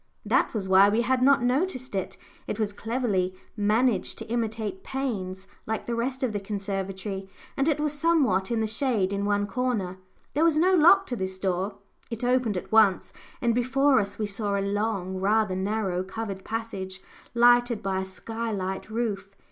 That was why we had not noticed it. It was cleverly managed to imitate panes, like the rest of the conservatory, and it was somewhat in the shade in one corner. There was no lock to this door; it opened at once, and before us we saw a long, rather narrow, covered passage, lighted by a skylight roof.